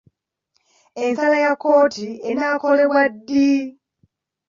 Ensala ya kkooti enaakolebwa ddi?